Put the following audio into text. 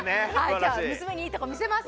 今日は娘にいいとこ見せます。